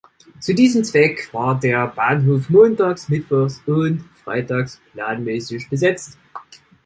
Zu diesem Zweck war der Bahnhof montags, mittwochs und freitags planmäßig besetzt.